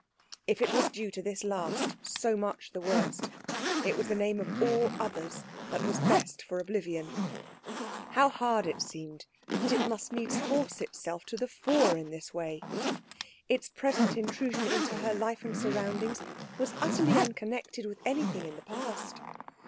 If it was due to this last, so much the worse! It was the name of all others that was best for oblivion. How hard it seemed that it must needs force itself to the fore in this way! Its present intrusion into her life and surroundings was utterly unconnected with anything in the past.